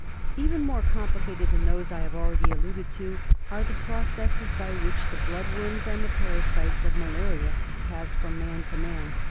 Even more complicated * than those I have already ■ alluded to are the pro cesses by which the blood. worms and the parasites of malaria pass from man to man.